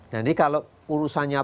jadi kalau urusannya